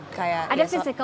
ada perbuatan fisik